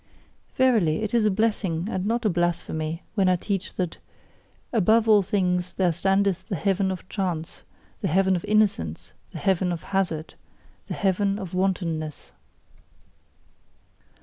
Verily, it is a blessing and not a blasphemy when I teach that "above all things there standeth the heaven of chance, the heaven of innocence, the heaven of hazard, the heaven of wantonness."